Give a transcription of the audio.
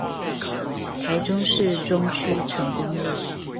台中市中區成功路